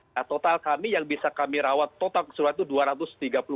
nah total kami yang bisa kami rawat total keseluruhan itu dua ratus tiga puluh orang